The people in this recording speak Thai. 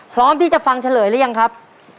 พร้อมที่จะฟังเฉลยหรือยังครับ